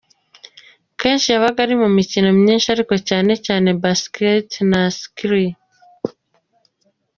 Kenshi yabaga ari mu mikino myinshi ariko cyane cyane basketball na cricket.”